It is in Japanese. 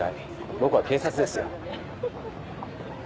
僕は警察ですよ。